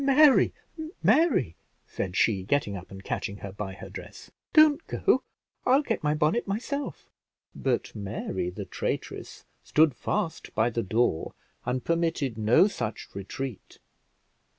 "Mary, Mary," said she, getting up and catching her by her dress; "don't go, I'll get my bonnet myself." But Mary, the traitress, stood fast by the door, and permitted no such retreat.